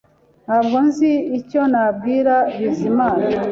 Ntabwo nzi icyo nabwira Bizimana